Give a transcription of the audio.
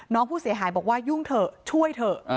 น้องผู้เสียหายบอกว่ายุ่งเถอะช่วยเถอะ